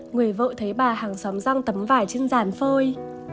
người vợ thấy bà hàng xóm răng tấm vải trên giàn phôi